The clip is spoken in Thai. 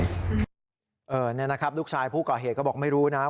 นี่นะครับลูกชายผู้ก่อเหตุก็บอกไม่รู้นะ